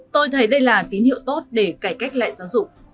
tôi thấy đây là tín hiệu tốt để cải cách lại giáo dục